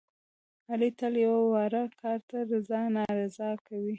علي تل یوه واړه کار ته رضا نارضا کوي.